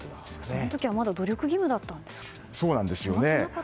その時はまだ努力義務だったんですね。